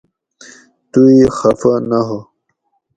تُو ای خفہ نہ ہو